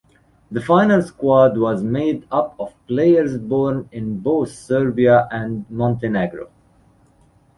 The final squad was made up of players born in both Serbia and Montenegro.